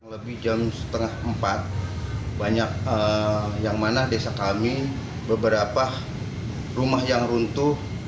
lebih jam setengah empat banyak yang mana desa kami beberapa rumah yang runtuh